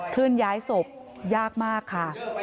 เคลื่อนย้ายศพยากมากค่ะ